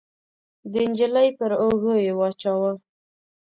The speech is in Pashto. د نجلۍ پر اوږو يې واچاوه.